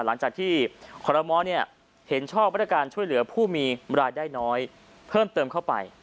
หลังจากที่คลมม้อเห็นช่องบรรทการช่วยเหลือผู้มีเวลาได้น้อยเพิ่มเติมเข้าไป